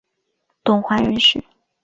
董槐人士。